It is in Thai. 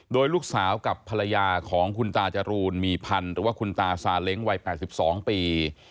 โดยลูกสาวกับภรรยาของคุณตาจรูนมีพันธ์หรือว่าคุณตาซาเล้งวัย๘๒ปี